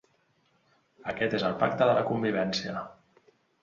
Aquest és el pacte de la convivència.